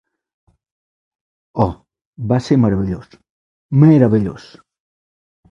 Oh, va ser meravellós. Meravellós.